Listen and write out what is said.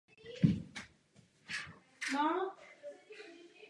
Podobné společnosti existovaly i mimo Řím.